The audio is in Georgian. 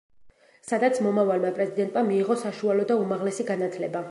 სადაც მომავალმა პრეზიდენტმა მიიღო საშუალო და უმაღლესი განათლება.